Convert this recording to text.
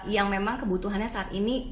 yang memang kebutuhannya saat ini